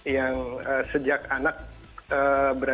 yang sejak anak berada